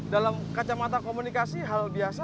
dalam kacamata komunikasi hal biasa